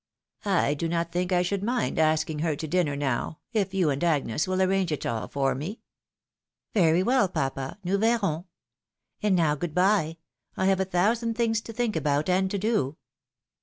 " I do not think I should mind asking her to dinner now, if you and Agnes will arrange it all for me." " Very well, papa ; nous verrons. And now, good bye ; I have a thousand things to think about and to do."